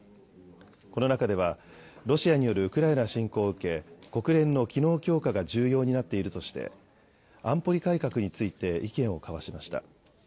この中ではロシアによるウクライナ侵攻を受け国連の機能強化が重要になっているとして安保理改革について意見を交わしました。